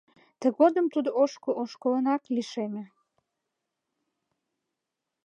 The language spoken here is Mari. Тыгодым тудо ошкыл-ошкылынак лишеме.